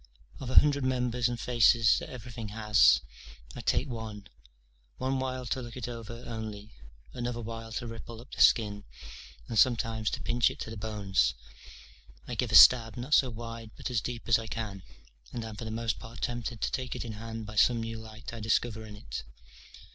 Of a hundred members and faces that everything has, I take one, onewhile to look it over only, another while to ripple up the skin, and sometimes to pinch it to the bones: I give a stab, not so wide but as deep as I can, and am for the most part tempted to take it in hand by some new light I discover in it.